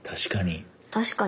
確かに。